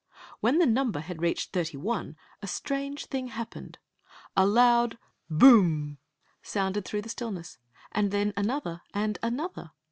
When the number had reached thirty one a strange thing happened. A loud " boom !" sounded through the stillness, and then another, and anodier.